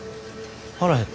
腹減った。